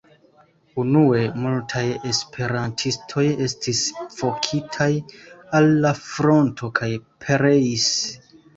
Unue, multaj esperantistoj estis vokitaj al la fronto kaj pereis.